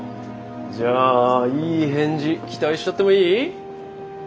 じゃあいい返事期待しちゃってもいい？